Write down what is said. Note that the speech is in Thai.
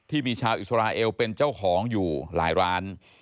ที่มีชาวอิสราเอลเป็นเจ้าของอยู่หลายร้าน